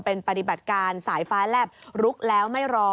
เป็นปฏิบัติการสายฟ้าแลบลุกแล้วไม่รอ